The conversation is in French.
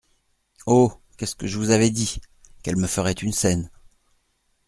Oh ! qu’est-ce que je vous avais dit ! qu’elle me ferait une scène !